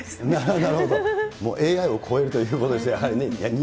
ＡＩを超えるということですね。